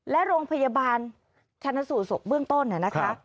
และโรงพยาบาลชาญสู่ศกเบื้องต้นเนี่ยนะคะ